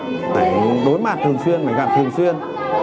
phải đối mặt thường xuyên phải gặp thường xuyên